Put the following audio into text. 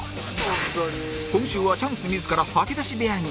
今週はチャンス自ら吐き出し部屋に